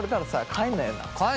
帰んないよ！